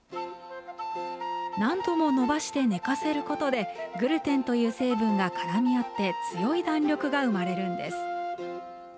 何度も延ばして寝かせることで、グルテンという成分が絡み合って、強い弾力が生まれるんです。